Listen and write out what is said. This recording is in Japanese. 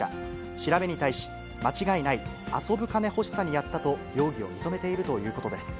調べに対し、間違いない、遊ぶ金欲しさにやったと、容疑を認めているということです。